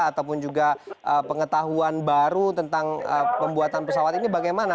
ataupun juga pengetahuan baru tentang pembuatan pesawat ini bagaimana